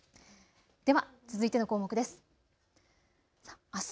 では続いての項目です。